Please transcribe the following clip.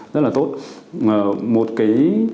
rất là tốt một cái